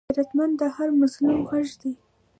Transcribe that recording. غیرتمند د هر مظلوم غږ دی